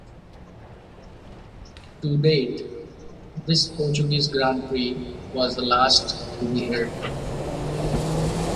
To date, this Portuguese Grand Prix was the last to be held.